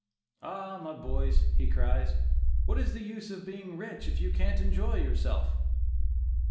"Ah! my boys," he cries, "what is the use of being rich, if you can't enjoy yourself?"